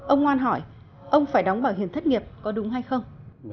ông ngoan hỏi ông phải đóng bảo hiểm thất nghiệp có đúng hay không